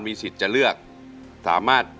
มูลค่า๔๐๐๐๐บาท